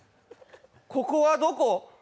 ここはどこ？